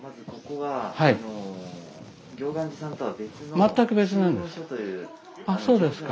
全く別なんですか。